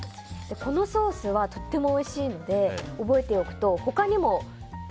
このソースはとてもおいしいので覚えておくと、他にも。